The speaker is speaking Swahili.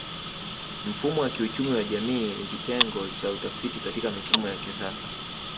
Mfumo wa kiuchumi wa jamii ni kitengo cha utafiti Katika mifumo ya kisasa